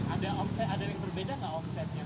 ada yang berbeda nggak omsetnya